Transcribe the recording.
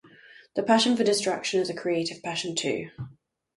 The passion for destruction is a creative passion, too!